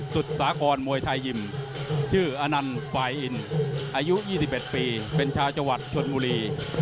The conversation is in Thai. สุดสากรมวยไทยยิมชื่ออนันฟายอินอายุ๒๑ปีเป็นชาวจวัดชวนมุรี